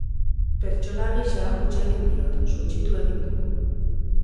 Pertsona gisa huts egin diot, suntsitu egin du.